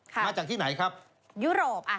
มาจากที่ไหนครับยุโรป